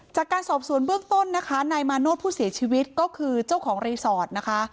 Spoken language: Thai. จากการสอบสวนเบื้องต้นนะคะนายมาโนธผู้เสียชีวิตก็คือเจ้าของรีสอร์ทนะคะ